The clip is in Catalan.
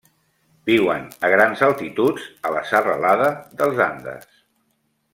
Viuen a grans altituds a la serralada dels Andes.